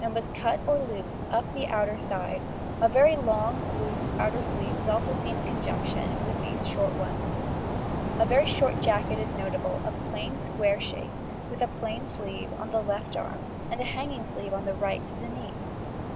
This short sleeve became raised on the shoulder, and was cut or looped up the outer side: a long loose outer sleeve is also seen in conjunction with these short ones. A very short jacket is notable, of a plain square shape, with a plain sleeve on the left arm and a hanging sleeve on the right to the knee.